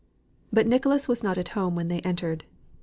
But Nicholas was not at home when they entered.